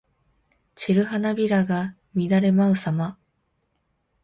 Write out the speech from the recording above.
散る花びらが乱れ舞うさま。